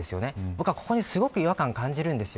僕はここにすごく違和感を感じます。